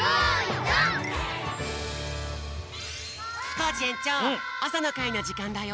コージえんちょうあさのかいのじかんだよ。